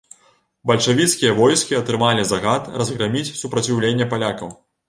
Бальшавіцкія войскі атрымалі загад разграміць супраціўленне палякаў.